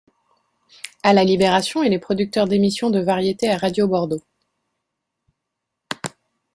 À la Libération, il est producteur d'émissions de variétés à Radio-Bordeaux.